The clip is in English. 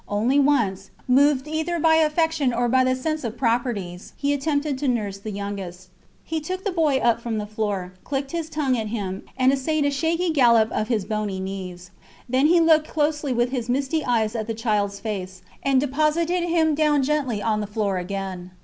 Only once, moved either by affection or by the sense of proprieties, he attempted to nurse the youngest. He took the boy up from the floor, clicked his tongue at him, and essayed a shaky gallop of his bony knees. Then he looked closely with his misty eyes at the childs face and deposited him down gently on the floor again.